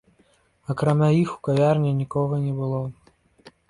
Акрамя іх у кавярні нікога не было.